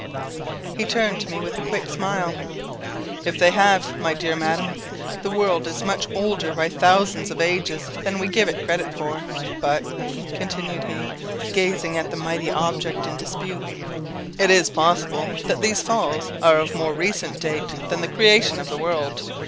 He turned to me with a quick smile "If they have, my dear Madam, the world is much older by thousands of ages than we give it credit for; but " continued he, gazing at the mighty object in dispute, "it is possible that these Falls are of more recent date than the creation of the world.